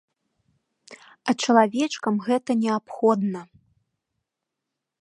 А чалавечкам гэта неабходна.